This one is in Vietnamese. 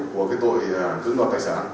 của cái tội dưỡng đoàn tài sản